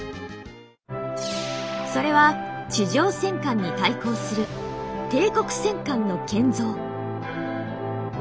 それは地上戦艦に対抗する帝国戦艦の建造。